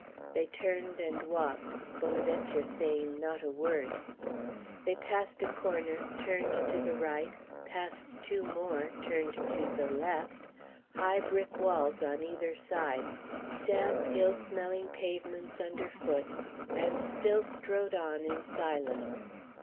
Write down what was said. They turned and walked, Bonaventure saying not a word. They passed a corner, turned to the right, passed two more, turned to the left, high brick walls on either side, damp, ill smelling pavements under foot, and still strode on in silence.